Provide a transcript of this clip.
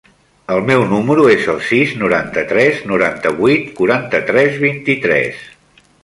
El meu número es el sis, noranta-tres, noranta-vuit, quaranta-tres, vint-i-tres.